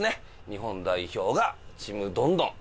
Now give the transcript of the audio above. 日本代表がちむどんどん！